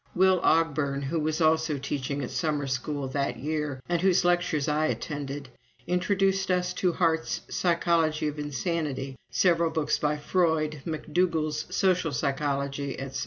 Will Ogburn, who was also teaching at Summer School that year, and whose lectures I attended, introduced us to Hart's "Psychology of Insanity," several books by Freud, McDougall's "Social Psychology," etc.